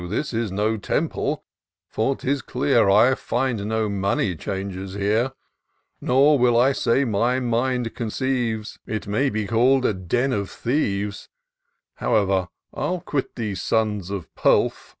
This is no temple; for 'tis clear 1 find no money changers here ; Nor will I say my mind conceives It may be call'd a den of thieves, Howe'er, I'll quit these sons of pelf.